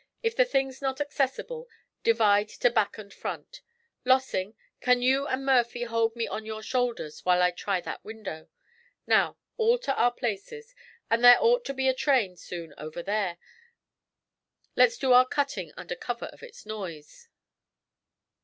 If the thing's not accessible, divide to back and front. Lossing, can you and Murphy hold me on your shoulders while I try that window? Now, all to our places; and there ought to be a train soon over there; let's do our cutting under cover of its noise.'